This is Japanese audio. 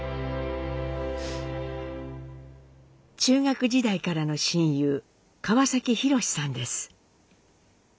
中学時代からの親友川崎洋史さんです。